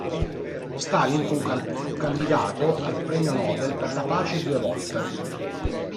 Stalin fu candidato al Premio Nobel per la Pace due volte.